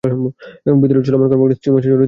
ভিতরে চলমান কর্মকাণ্ডে মন্ত্রী মশাই জড়িত নয় তো?